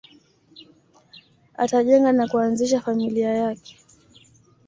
Atajenga na kuanzisha familia yake